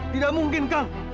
tidak mungkin kang